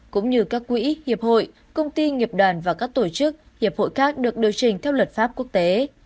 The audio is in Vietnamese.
cũng như các quỹ hiệp hội công ty nghiệp đoàn và các tổ chức hiệp hội khác được điều chỉnh theo luật pháp quốc tế